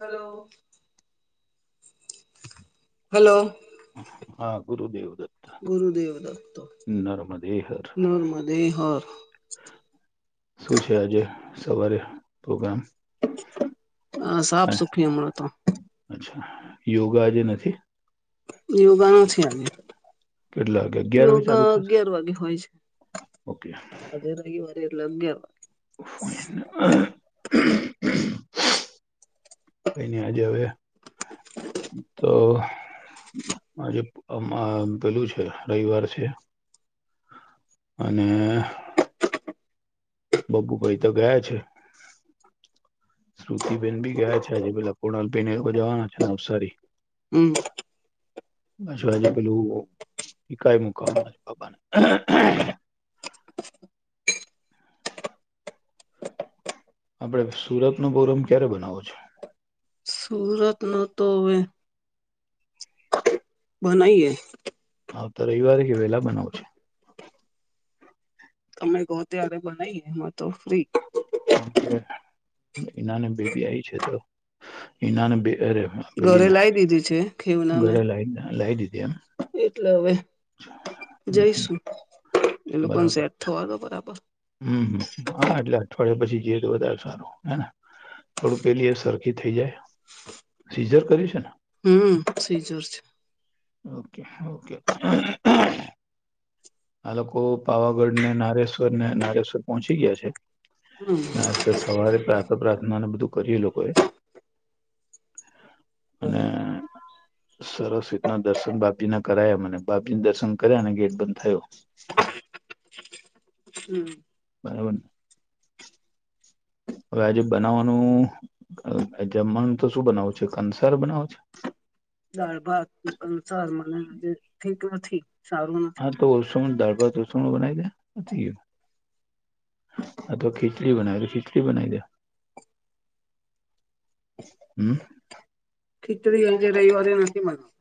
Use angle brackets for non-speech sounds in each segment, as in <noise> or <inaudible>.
Hello hello હા ગુરુદેવ દત્ત ગુરુદેવ દતો નર્મદે હર નર્મદે હર શું છે આજે સવારે પ્રોગ્રામ હ સાફ સુફી હમણાં તો અચ્છા યોગા આજે નથી યોગા નથી આજે કેટલા વાગે અગિયાર વાગે યોગા ચાલુ થશે અગિયાર વાગે હોય છે ઓકે આજે રવિવારે ફાઇન અગિયાર કઈ વાગે કઈ નહી આજે હવે તો આજે પેલું છે રવિવાર છે અને બબ્બુ ભાઈ તો ગયા છે શ્રુતિબેન ભી ગયા છે આજે પેલા કોણાલ બેેન જવાના છે નવસારી હમ અચ્છા આજે પેલું એક મકા બાબાને આપડ સુરત નો પ્રોગ્રામ ક્યારે બનાવો છો સુરતનો તો હવે બનાઈએ હા તો રવિવારે કે વેલા બનાવું છે તમે કહો ત્યારે બનાવી એમાં તો ફ્રી ના ને બેબી આય છે તો એ નાને બે અરે ઘરે બેબીને લાવી દીધી છે ખેવના ને ઘરે લાઈ લાઈ દીધી એમ એટલે હવે જઈશું એ લોકોને બરાબર સેટ થવા દો બરાબર હમ હા એટલે અઠવાડય પછી જઈએ તો વધારે સારું હેને થોડું પેલી એ સરખી થઈ જાય સીઝર કર્યું છે ને હમ સીઝન છે ઓકે ઓકે આ લોકો પાવાગઢ ને નારેશ્વર ને નારેશ્વર પહોંચી ગયા છે હમ નારેશ્વર સવારે પ્રાર્થ પ્રાર્થનાને બધું કરીયું એ લોકોએ અને બરાબર સરસ રીતના દર્શન બાકી ના કરાયા મને બાકીને દર્શન કર્યા અને ગેટ બંધ થયો <inaudible> હમ <unintelligible> હવે આજે બનાવવાનું જમવાનું તો શું બનાવો છો કંસાર બનાવો છો દાળ ભાત અનુસાર મને આજે ઠીક નથી સારું નથી હા તો ઓસણ દાળભાત ઉસણું બનાવી દે થઈ ગયું. અથવા ખીચડી બનાવી હોય તો ખીચડી બનાઈ દે. હમ્મ. ખીચડી આજે રવિવારે નથી મલતી.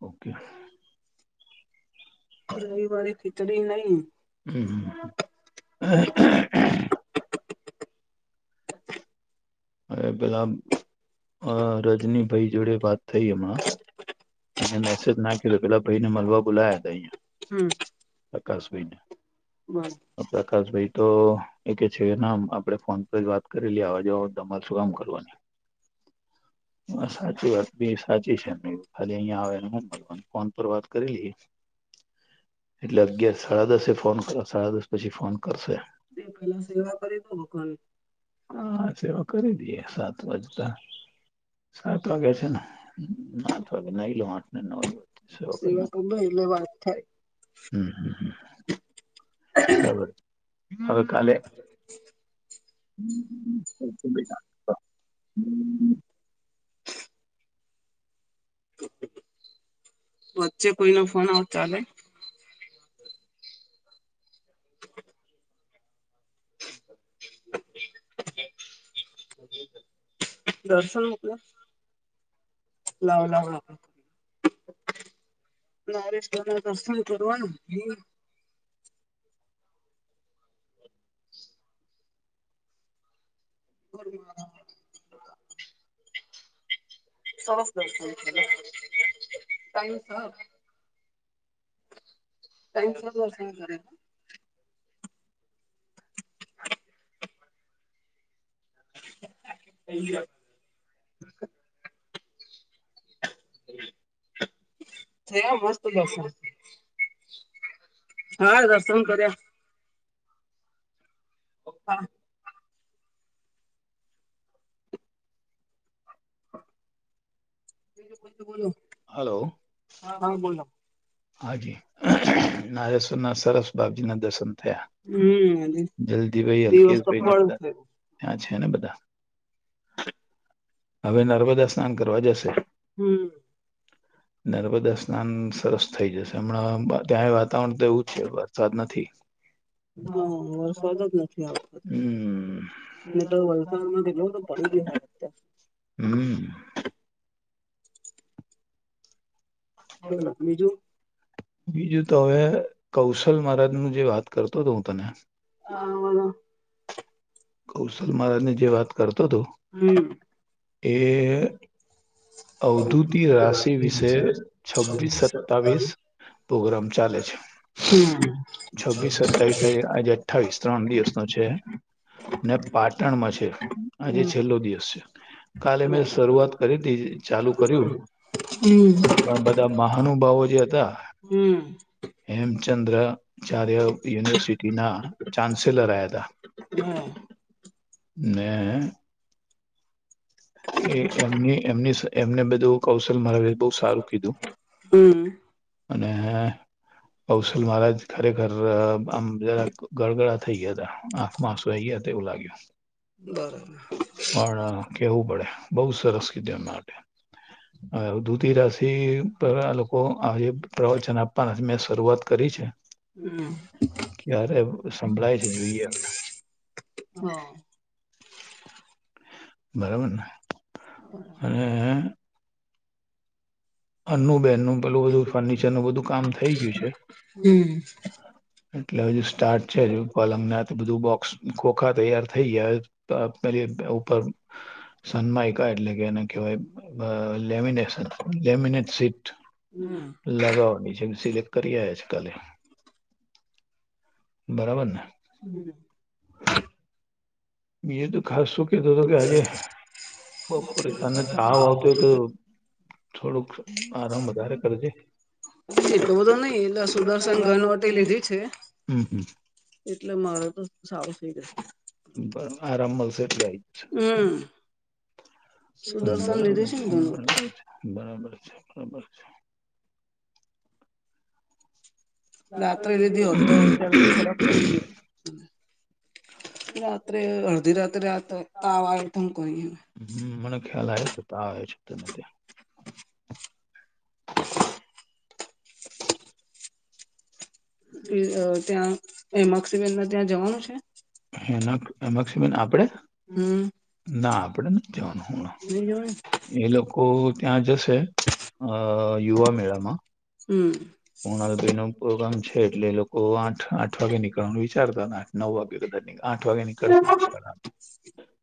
ઓકે. રવિવારે ખીચડી નહી હમ્મ. હ હવે પેલા અ રજનીભઈ જોડે વાત થઈ હમણાં. એને મેસેજ નાખ્યો પેલા ભઈને મલવા બોલાયા તા અહિયાં હમ પ્રકાશભઈને. બસ પ્રકાશભઈ તો એક છે ના આપડે ફોન પર જ વાત કરી લીએ આવા જવામા <unintelligible> શું કામ કરવાની. હ સાચી વાત બી સાચી છે. ખાલી અહીયાં આવે ને હું મળવાનું ફોન પર વાત કરી લઈએ. એટલે અગિયાર સાડા દસે ફોન સાડા દસ પછી ફોન કરશે. એ પેહલા સેવા કરી દો લોકાની. હા સેવા કરી દઈએ સાત વાજતા સાત વાગ્યે છે ને સાત વાગે નાઈ લઉ આઠ ને નવ વા છ કલાકમા સેવા કર દો એટલે વાત થાય <unintelligible> હમ્મ હમ્મ હમ્મ. <unintelligible> હવે કાલે <unintelligible> બેટા <unintelligible> વચ્ચે કોઈનો ફોન આવ ચાલે? <inaudible> દર્શન મોકલે. લાવ લાવને. નારેશ દાના દર્શન કરવાનું. <unintelligible> સરસ દર્શન થયા ટાઈમ ટાઈમસર દર્શન કર્યા. હ <inaudible> થઈ ગયા હોત. થયા મસ્ત દર્શન. હા દર્શન કર્યા. <unintelligible> હ હલો. હા બોલો હાજી નાગેશ્વરના સરસ બાપજીના દર્શન થયા હમ જલ્દી ભાઈ દિવસ તો અલ્કેશભાઈ ને ફળ બધા થયો કયાં છે? ને બધા હવે નર્મદા સ્નાન કરવા જશે. હમ્મ. <inaudible> નર્મદા સ્નાન સરસ થઈ જશે હમણાં ત્યાંય વાતાવરણ તો એવું જ છે વરસાદ નથી. હ હા વરસાદ જ નથી આવતો હમ્મ. ને તો વલસાડમાં કેટલો બધો પડી ગયો હોય અત્યારે હમ્મ. બોલો બીજું બીજું તો હવે કૌશલ મહારાજનું જે વાત કર તો તો હું તને <unintelligible> કૌશલ મહારાજની જે વાત કરતો હતો હમ એ અવધૂતી રાશિ વિશે છવ્વીસ સતાવીસ પોગ્રામ ચાલે છે છવ્વીસ છવ્વીસ સત્તાવીસ ચાલુ સતાવીસ આજે અઠ્ઠાવીસ ત્રણ દિવસનો છે ને પાટણમાં છે આજે છેલ્લો દિવસ છે. કાલે મેં શરૂઆત કરી હતી ચાલુ કર્યું. પણ બધા મહાનુભાવો જે હતા હમ હેમચંદ્ર. ચાર્ય યુનિવર્સિટીના ચાન્સેલર્યા હતા. હા મે. એ એમ એમ એમને બધું કૌશલ મારાવી બહુ સારું કીધું. હમ. અને કૌસલ મહારાજ ખરેખર આમ જરા ગડગડા થઈ ગયા હતા આંખમાં આસઈ ગયા એવું લાગ્યું બરાબર પણ કેવું પડે બહુ સરસ કીધું એમના માટે હ ધુતિ રાશિ પર લોકો આ જે પ્રવચન આપવાના મેં શરૂઆત કરી છે. હમ ક્યારે સંભળાય છે જોઈએ હવે. હા. બરાબરને બરાબર અને. અન્નુબહેન નું પેલું બધું ફર્નિચર નું બધું કામ થઈ ગયું છે.. હમ એટલે હજુ સ્ટાર્ટ છે હજુ પલંગનાથ બધું બોક્સ ખોખા તૈયાર થઈ ગયા પેલી ઉપર સનમાઈક એટલે કે એને કહેવાય લેમિનેશન લેમિનેટ સીટ હમ લગાવવાની છે એ સિલેક્ટ કરીએ આજકાલે બરાબર ને? બી તો ખાસ શું કતોું હતો કે આજે બપોરે તને તાવ ના આવતી હોય તો હોતું થોડુંક આરામ વધારે કરજે. સી તો બધું નઈ એટલે સુદર્શન ઘનવટી લીધી છે. હમ હમ એટલે મારે તો સારું થઈ જશે. બ આરામ મળશે એટલે આવી જશે. હમ અ <inaudible> સુદર્શન બરાબર લીધી છે ને ઘનવટી બરાબર છે. રાત્રે દીદી હોતો બરાબર અત્યારે છે તો ફરક પડી જાય. રાત્રે અડધી રાત્રે રા તાવ આવે તોમ કરી. તો શકત નથી. ત્યાં એમસીબન ત્યાં જવાનું છે? હ એમક્ષબન આપડે? હમ ના આપણેે નથી જવાનું હમણા નઈ જવાય એ લોકો ત્યાં જશે. અ યુવા મેળામાં હમ પોણાલભાઈ ન પ્રોગ્રામ છે એટલે લોકો આઠ આઠ વાગે નીકળવાનું વિચારતા. નવ વાગ્યે કદાચ ની આઠ વાગ્યાે નીકળડા.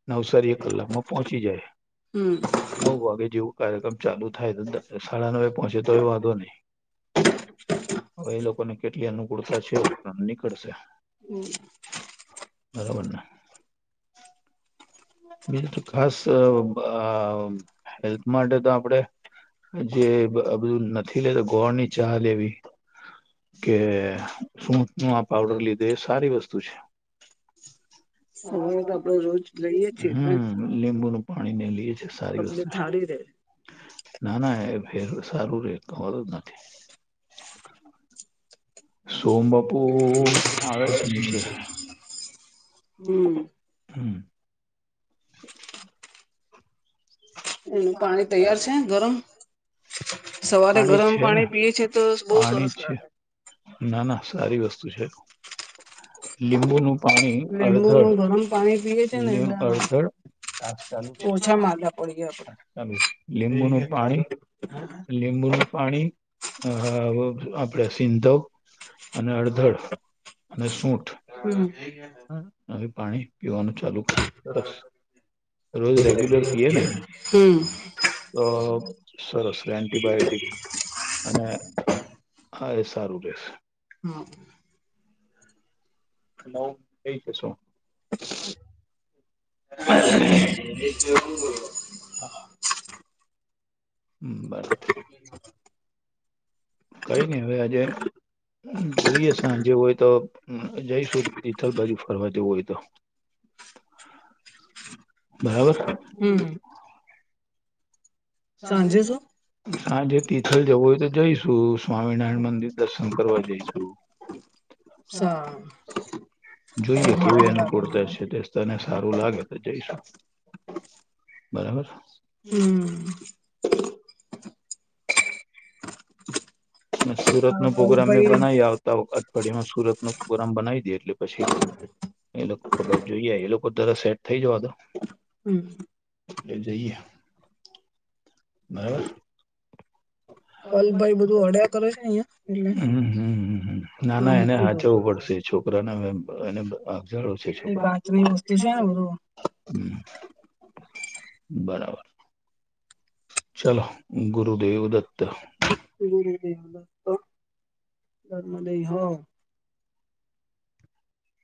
નવસારી એક કલાકમાં પહોંચી જાય હમ નવ વાગે જેવું કાર્યક્રમ ચાલુ થાય તો સાડા નવે પહોંચે તો એ વાંધો નહી. હવે એ લોકોને કેટલી અનુકૂળતા છે નીકળશે બરોબર ને? બીજું તો ખાસ હેલ્થ માટે તો આપડે જે બધું નથી લેતો ગોળ ની ચા લેવી. કે સૂટ નું આ પાવડર લીધે એ સારી વસ્તુ છે. હવારે તો આપડે રોજ લઈએે. હમ લીંબુ ન પાણી લઈએ છે સારી વસ્તુ તબિયત છે. હારી રે ના ના એ ફેર સારું રે તોર જ નથી. સોમબાપુ આવે છે નીચે હમ. હમ. એનું પાણી તૈયાર છે ગરમ. સવારે ગરમ છે ને પાણી પીએ છે, તો બહુ પાણી સરસ છે લાગે. ના ના સારી વસ્તુ છે. લીંબુનુ પાણી લીંબુ અડધડ નું ગરમ પાણી પીએ છે ને એ એટલે અડધ ડાસ ચાલુ છે. ઓછા માંદા પડીએ આપડે ચાલું લીંબુ નું પાણી લીંબુ નું પાણી હ હા આપડે સિંધવ અને અડધડ અને સૂઠ હમ. હા હ પાણી પીવાનું ચાલુ સરસ રોજ રેગ્યુલર પીએ ને હમ અ સરસ એન્ટીબાયોટિક અને હા એ સારું. રહેશે હા. નવ કઈ છે શું? <inaudible> હા. હમ બસ. કઈ નઈ હવે આજે જોઈએ સાંજે હોય તો જઈશું તીથલ બાજુ ફરવા જે હોય તો. બરાબર? હમ સાંજે શું <inaudible> હાંજે તિથલ જવું હોય તો જઈશું સ્વામિનારાયણ મંદિર દર્શન કરવા જઈશું. <inaudible> <unintelligible> જોઈએ કેવી હારું લાગે અનુકૂળતા મને છે. તે તને સારું લાગે તો જઈશું. બરાબર? હમ <inaudible> અને સુરત નો હા પ્રોગ્રામ મેં કલભાઈ બનાવી આવતા અઠવાડિયામાં સુરત નો પ્રોગ્રામ બનાવી દિયે એટલે પછી એ લોકો ખબર જોઈએ એ લોકો તરા સેટ થઈ જવા તો હમ. એ જઈએ બરાબર? કલભાઈ બધું અડ્યા કરે છે અહિયાં એટલે હમમ હા નાના એને મૂકી દઉં હાચવું છું પડશે છો એ છોકરા કાચની વસ્તુ છે ને બધું <unintelligible> બરાબર. ચાલ ગરુદેવ દત્ત ઘરમાં <inaudible>